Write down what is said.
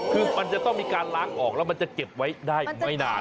คือมันจะต้องมีการล้างออกแล้วมันจะเก็บไว้ได้ไม่นาน